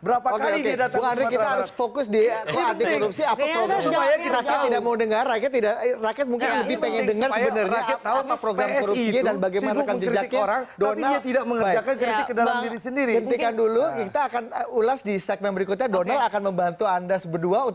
berapa kali dia datang ke sumatera barat